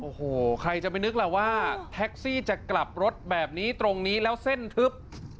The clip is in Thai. โอ้โหใครจะไปนึกล่ะว่าแท็กซี่จะกลับรถแบบนี้ตรงนี้แล้วเส้นทึบ